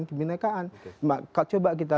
kebinekaan coba kita